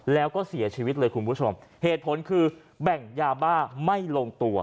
แล้วก็เสียชีวิตเลยคุณผู้ชมเหตุผลคือแบ่งยาบ้าไม่ลงตัว